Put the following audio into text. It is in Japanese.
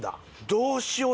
どうしよう。